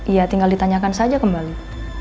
iya tinggal ditanyakan saja kembali